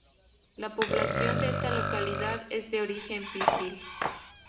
La población de esta localidad es de origen pipil.